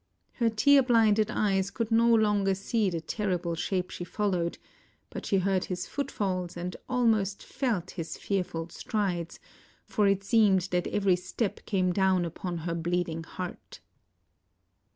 Her tear blinded eyes could no longer see the terrible shape she followed, but she heard his footfalls and almost felt his fearful strides, for it seemed that every step came down upon her bleeding heart.